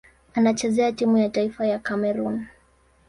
Anachezea timu ya taifa ya Kamerun.